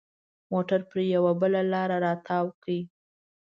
موټر پر یوه بله لاره را تاو کړ.